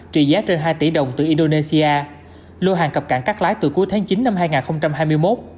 trị giá trên hai tỷ đồng từ indonesia lô hàng cập cảng cắt lái từ cuối tháng chín năm hai nghìn hai mươi một